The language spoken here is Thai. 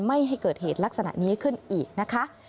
ไม่ให้เกิดเหตุลักษณะนี้ขึ้นอีกนะคะ